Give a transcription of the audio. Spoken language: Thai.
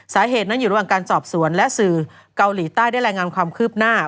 สาเหตุนั้นอยู่ระหว่างการสอบสวนและสื่อเกาหลีใต้ได้รายงานความคืบหน้า